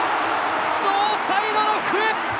ノーサイドの笛！